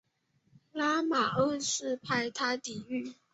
拉玛二世派他抵御。